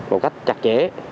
một cách chặt chẽ